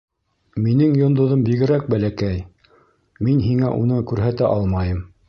Минең йондоҙом бигерәк бәләкәй, мин һиңә уны күрһәтә алмайым.